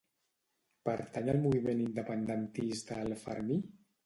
Pertany al moviment independentista el Fermí?